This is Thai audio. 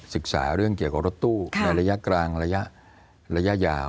ศึกษาเรื่องเกี่ยวกับรถตู้ในระยะกลางระยะยาว